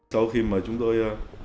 sau khi mà chúng tôi